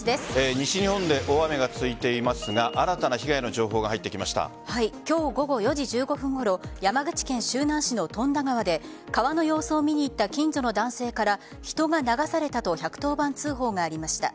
西日本で大雨が続いていますが新たな被害の情報が今日午後４時１５分ごろ山口県周南市の富田川で川の様子を見に行った近所の男性から人が流されたと１１０番通報がありました。